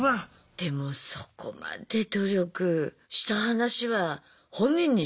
でもそこまで努力した話は本人にしたいけどね。